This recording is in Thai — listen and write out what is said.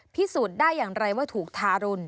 พิสูจน์ได้อย่างไรว่าถูกทารุณ